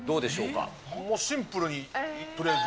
シンプルに、とりあえず。